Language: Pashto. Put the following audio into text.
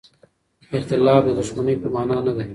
اختلاف د دښمنۍ په مانا نه دی.